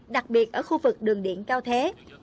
đặc biệt ở khu vực đường điện cao thế